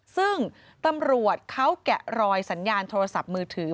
ซึ่งตำรวจเขาแกะรอยสัญญาณโทรศัพท์มือถือ